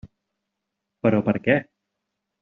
Però per què?